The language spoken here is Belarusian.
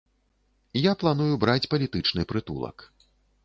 Я планую браць палітычны прытулак.